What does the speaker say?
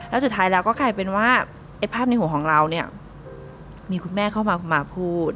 แล้วสุดท้ายแล้วก็กลายเป็นว่าไอ้ภาพในหัวของเราเนี่ยมีคุณแม่เข้ามาพูด